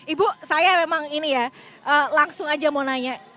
ibu saya memang ini ya langsung aja mau nanya